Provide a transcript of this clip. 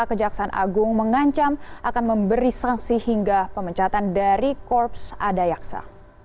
kejaksaan agung mengancam akan memberi sanksi hingga pemencatan dari korps ada jaksa